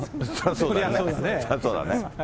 そりゃそうだね。